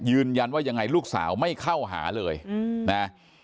ยืนยันว่ายังไงลูกสาวไม่เข้าหาเลยนะ